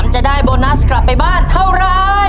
จะได้โบนัสกลับไปบ้านเท่าไร